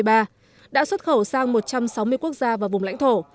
phát triển một trăm sáu mươi quốc gia và vùng lãnh thổ